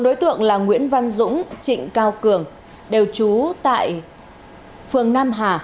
đối tượng là nguyễn văn dũng trịnh cao cường đều trú tại phường nam hà